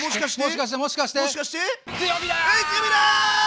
もしかしてもしかして？